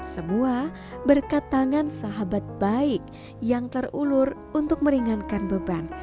semua berkat tangan sahabat baik yang terulur untuk meringankan beban